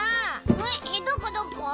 えどこどこ？